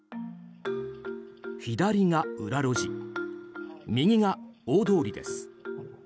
左が裏路地、右が大通りです。